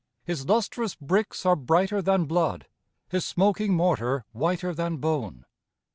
His lustrous bricks are brighter than blood, His smoking mortar whiter than bone.